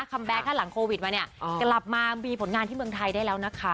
แบ็คถ้าหลังโควิดมาเนี่ยกลับมามีผลงานที่เมืองไทยได้แล้วนะคะ